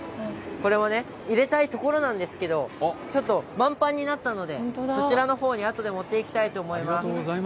これを入れたいんですけどちょっと満杯になったのでそちらのほうにあとで持っていきたいと思います。